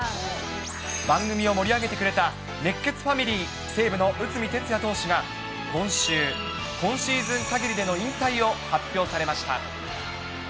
番組を盛り上げてくれた熱ケツファミリー、西武の内海哲也投手が、今週、今シーズン限りでの引退を発表されました。